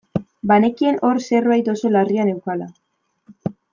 Banekien hor zerbait oso larria neukala.